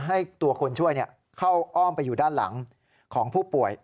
ให้ตัวคนช่วยเข้าอ้อมไปอยู่ด้านหลังของผู้ป่วย